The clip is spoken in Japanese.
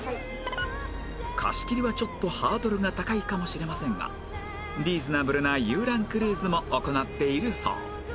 貸し切りはちょっとハードルが高いかもしれませんがリーズナブルな遊覧クルーズも行っているそう